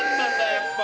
やっぱ。